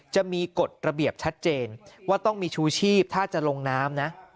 จะมีกฎระเบียบชัดเจนว่าต้องมีชูชีพถ้าจะลงน้ำนะ